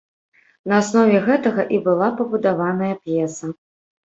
На аснове гэтага і была пабудаваная п'еса.